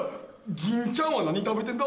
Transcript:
ギンちゃんは何食べてんだ？